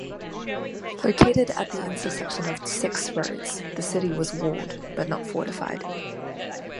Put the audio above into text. Located at the intersection of six roads, the city was walled but not fortified.